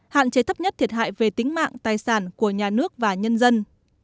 hạn chế thấp nhất thiệt hại về tính mạng tài sản của nhà nước và nhân dân